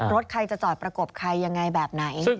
รถใครจะจอดประกบใครยังไงแบบไหน